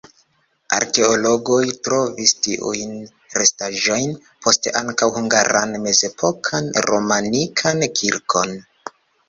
Arkeologoj trovis tiujn restaĵojn, poste ankaŭ hungaran mezepokan romanikan kirkon.